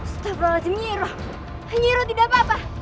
sudah berulang nyiro nyiro tidak apa apa